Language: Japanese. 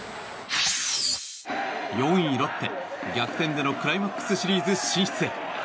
４位ロッテ、逆転でのクライマックスシリーズ進出へ。